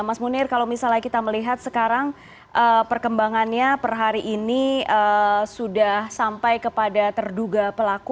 mas munir kalau misalnya kita melihat sekarang perkembangannya per hari ini sudah sampai kepada terduga pelaku